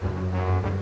biar lebih sedikit